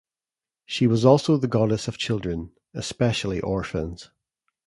She was also the goddess of children, especially orphans.